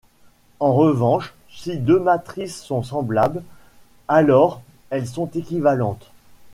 En revanche, si deux matrices sont semblables, alors elles sont équivalentes.